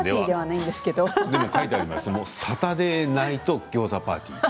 サタデーナイトギョーザパーティー。